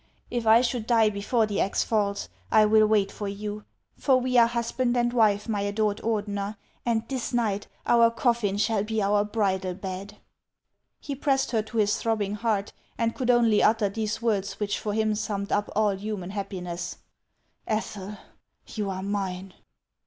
' If I should die before the axe falls, I will wait for you; 'for we are husband and wife, niy adored Ordener, and this night our coffin shall be our bridal bed." He pressed her to his throbbing heart, and could only utter these words, which for him summed up all human happiness :" Ethel, you are mine